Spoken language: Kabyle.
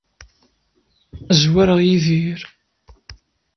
Zwareɣ Yidir.